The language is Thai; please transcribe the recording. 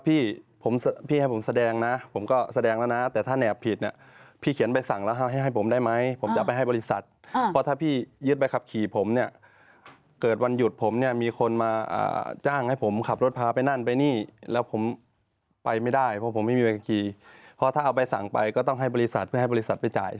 พี่ผมพี่ให้ผมแสดงนะผมก็แสดงแล้วนะแต่ถ้าแอบผิดเนี่ยพี่เขียนใบสั่งแล้วให้ผมได้ไหมผมจะไปให้บริษัทเพราะถ้าพี่ยึดใบขับขี่ผมเนี่ยเกิดวันหยุดผมเนี่ยมีคนมาจ้างให้ผมขับรถพาไปนั่นไปนี่แล้วผมไปไม่ได้เพราะผมไม่มีใบขี่เพราะถ้าเอาใบสั่งไปก็ต้องให้บริษัทเพื่อให้บริษัทไปจ่าย